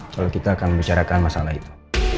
kalau kita akan membicarakan masalah itu